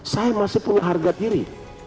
saya masih punya harga kiri